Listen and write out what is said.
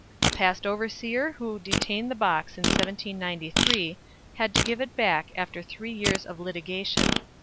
A Past Overseer who detained the box in 1793 had to give it back after three years of litigation.